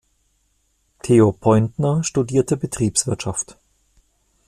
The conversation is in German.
Theo Pointner studierte Betriebswirtschaft.